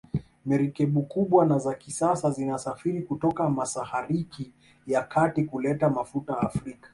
Merikebu kubwa na za kisasa zinasafiri kutoka masahariki ya kati kuleta mafuta Afrika